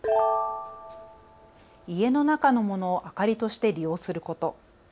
家の中のものを明かりとして利用すること。